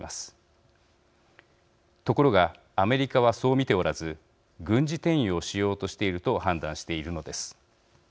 ところがアメリカはそう見ておらず軍事転用しようとしていると判断しているのです。